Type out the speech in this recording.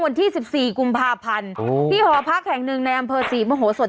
วันที่สิบสี่กุมภาพันธ์โอ้ที่หอพักแห่งหนึ่งในอำเภอสี่มโมโหสวร